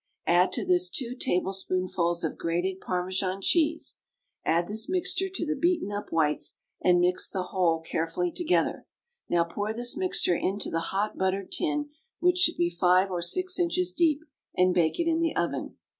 Add to this two tablespoonfuls of grated Parmesan cheese; add this mixture to the beaten up whites, and mix the whole carefully together. Now pour this mixture into the hot buttered tin, which should be five or six inches deep, and bake it in the oven.